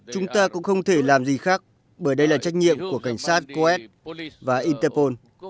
chúng ta cũng không thể làm gì khác bởi đây là trách nhiệm của cảnh sát coes và interpol